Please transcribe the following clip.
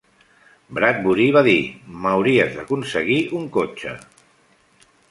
Bradbury va dir: "M'hauries d'aconseguir un cotxe".